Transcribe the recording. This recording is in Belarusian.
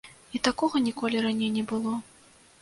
І такога ніколі раней не было.